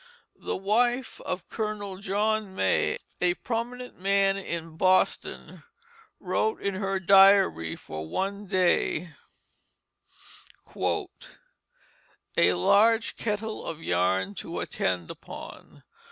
The wife of Colonel John May, a prominent man in Boston, wrote in her diary for one day: "A large kettle of yarn to attend upon.